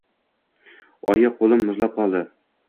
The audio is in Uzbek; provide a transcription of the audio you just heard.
Oyi, qo‘lim muzlab qoldi.